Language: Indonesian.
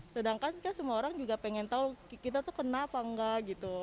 sedangkan kan semua orang juga pengen tahu kita tuh kena apa enggak gitu